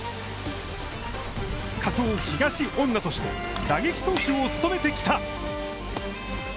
仮想東恩納として打撃投手を務めてきた。